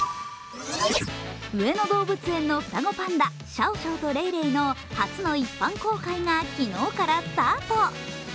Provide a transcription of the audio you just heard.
上野動物園の双子のパンダ、シャオシャオとレイレイの一般公開が昨日からスタート。